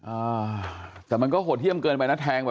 อ่าาาาาาาาาแต่มันก็โหดเยี่ยมเกินไปนะแทง